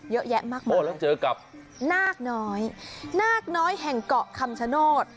เยอะแยะมากมายโอ้แล้วเจอกับนาคน้อยนาคน้อยแห่งเกาะคำชโนธ